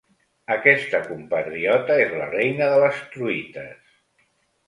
Aquesta compatriota és la reina de les truites.